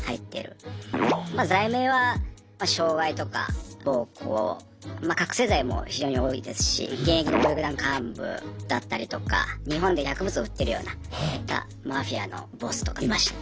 ま罪名は傷害とか暴行ま覚醒剤も非常に多いですし現役の暴力団幹部だったりとか日本で薬物を売ってるようなそういったマフィアのボスとかいましたね。